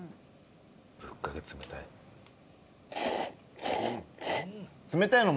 ぶっかけ冷たいの。